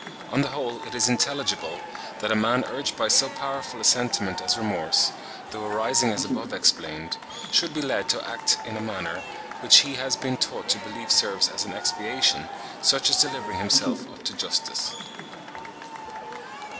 On the whole it is intelligible, that a man urged by so powerful a sentiment as remorse, though arising as above explained, should be led to act in a manner, which he has been taught to believe serves as an expiation, such as delivering himself up to justice.